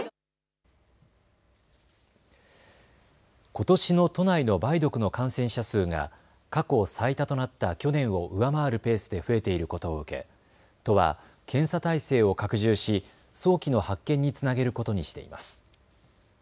ことしの都内の梅毒の感染者数が過去最多となった去年を上回るペースで増えていることを受け都は検査態勢を拡充し早期の発見につなげることにしています。